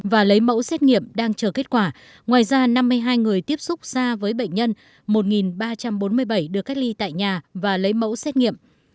và lấy mẫu xét nghiệm đang chờ kết quả ngoài ra năm mươi hai người tiếp xúc xa với bệnh nhân một nghìn ba trăm bốn mươi bảy được cách ly tại nhà và lấy mẫu xét nghiệm